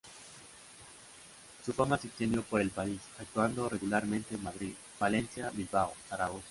Su fama se extendió por el país, actuando regularmente en Madrid, Valencia, Bilbao, Zaragoza...